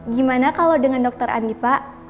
gimana kalau dengan dokter andi pak